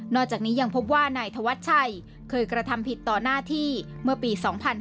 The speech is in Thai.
จากนี้ยังพบว่านายธวัชชัยเคยกระทำผิดต่อหน้าที่เมื่อปี๒๕๕๙